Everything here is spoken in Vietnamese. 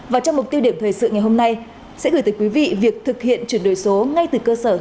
và trong mục tiêu điểm thời sự ngày hôm nay sẽ gửi tới quý vị việc thực hiện chuyển đổi số ngay từ cơ sở